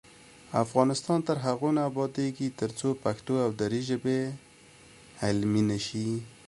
افغانستان تر هغو نه ابادیږي، ترڅو پښتو او دري ژبې علمي نشي.